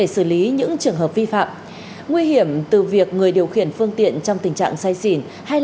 cũng như là để phát triển du lịch